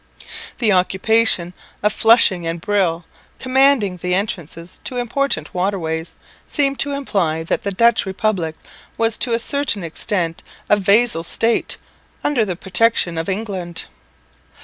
The occupation of Flushing and Brill, commanding the entrances to important waterways, seemed to imply that the Dutch republic was to a certain extent a vassal state under the protection of England.